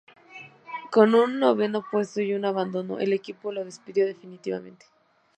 Con un noveno puesto y un abandonó, el equipo lo despidió definitivamente.